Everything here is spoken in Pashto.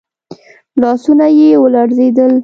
لاسونه يې ولړزېدل.